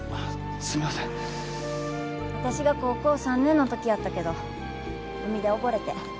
私が高校３年のときやったけど海で溺れて。